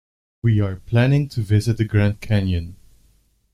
We are planning to visit the Grand Canyon.